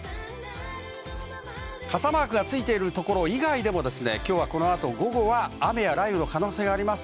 傘マークがついているところ以外でも午後は雷雨の可能性があります。